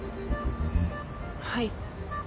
はい。